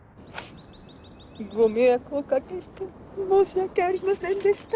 ご迷惑お掛けして申し訳ありませんでした。